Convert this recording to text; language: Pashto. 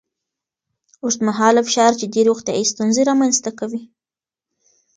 اوږدمهاله فشار جدي روغتیایي ستونزې رامنځ ته کوي.